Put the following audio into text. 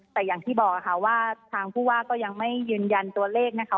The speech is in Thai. แต่อย่างที่บอกค่ะว่าทางผู้ว่าก็ยังไม่ยืนยันตัวเลขนะคะ